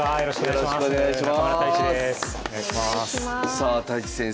よろしくお願いします。